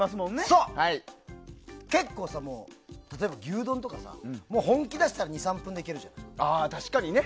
結構、例えば牛丼とか本気出したら２３分でいけるじゃん。